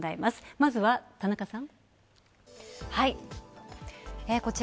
まずは、田中さん。